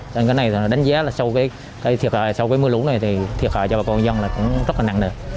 cái này đánh giá là sau cái mưa lũ này thì thực hại cho bà con dân là cũng rất là nặng nề